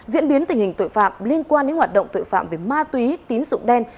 diễn biến tình hình tội phạm liên quan đến hoạt động tội phạm về ma túy tín dụng đen